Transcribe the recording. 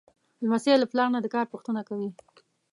لمسی له پلار نه د کار پوښتنه کوي.